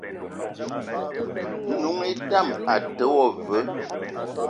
N'noung idame a te wo veu.